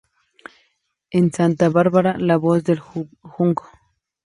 En Santa Bárbara, "La Voz del Junco".